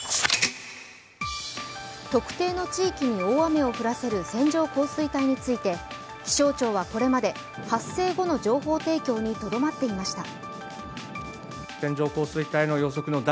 特定の地域に大雨を降らせる線状降水帯について気象庁はこれまで、発生後の情報提供にとどまっていました。